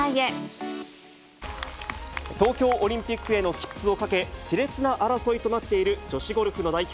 東京オリンピックへの切符をかけ、しれつな争いとなっている女子ゴルフの代表